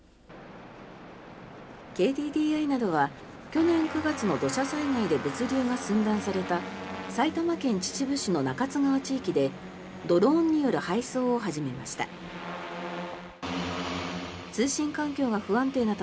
ＫＤＤＩなどは去年９月の土砂災害で物流が寸断された埼玉県秩父市の中津川地域でドローンによる配送を始めました。